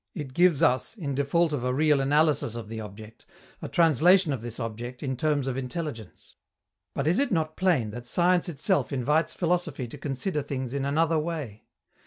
It gives us, in default of a real analysis of the object, a translation of this object in terms of intelligence. But is it not plain that science itself invites philosophy to consider things in another way?